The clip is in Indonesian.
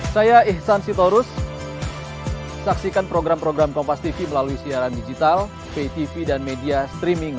saya ihsan sitorus saksikan program program kompas tv melalui siaran digital pay tv dan media streaming